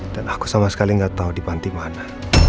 dan aku sama sekali gak tahu di panti mana